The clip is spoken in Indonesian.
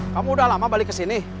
kamu udah lama balik ke sini